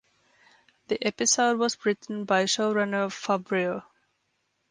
The episode was written by showrunner Favreau.